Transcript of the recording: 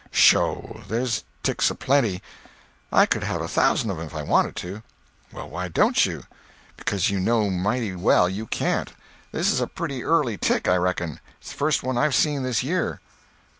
"Sho, there's ticks a plenty. I could have a thousand of 'em if I wanted to." "Well, why don't you? Becuz you know mighty well you can't. This is a pretty early tick, I reckon. It's the first one I've seen this year."